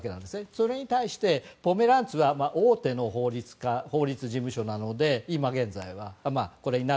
それに対して、ポメランツは大手の法律事務所なので今現在は。